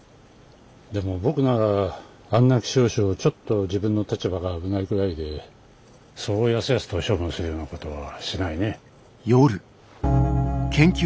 でも僕ならあんな希少種をちょっと自分の立場が危ないくらいでそうやすやすと処分するようなことはしないね。